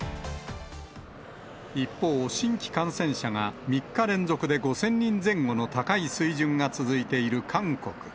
一方、新規感染者が３日連続で５０００人前後の高い水準が続いている韓国。